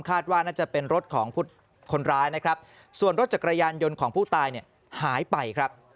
คาดว่าน่าจะเป็นรถของคนร้ายส่วนรถจักรยานยนต์ของผู้ตายหายไป